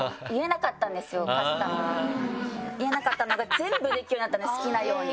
言えなかったのが全部できるようになったので好きなように。